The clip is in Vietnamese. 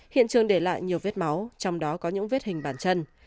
hiện trường để lại nhiều vết máu trong đó có những vết hình bàn chân